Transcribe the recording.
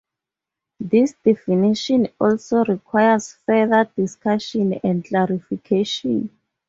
This definition also requires further discussion and clarification.